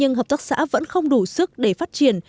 nhưng hợp tác xã vẫn không đủ sức để phát triển